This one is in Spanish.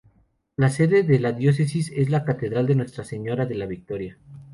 La sede de la Diócesis es la Catedral de Nuestra Señora de la Victoria.